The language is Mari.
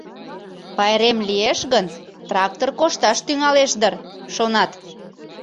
«Пайрем лиеш гын, трактор кошташ тӱҥалеш дыр», — шонат.